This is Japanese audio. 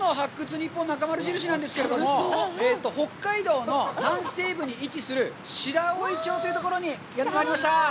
ニッポンなかまる印」なんですが、北海道の南西部に位置する白老町というところにやってまいりました。